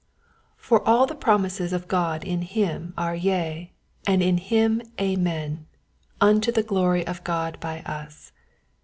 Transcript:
''For all the promises of God in him are yea, and in him Amen, unto the glory of God by us."